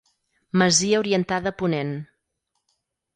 Masia orientada a ponent.